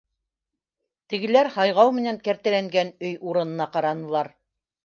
Тегеләр һайғау менән кәртәләнгән өй урынына ҡаранылар: